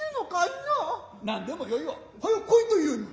何んでもよいわ。はよ来いと言うに。